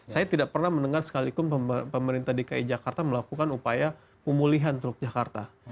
saya tidak pernah mendengar sekaligus pemerintah dki jakarta melakukan upaya pemulihan teluk jakarta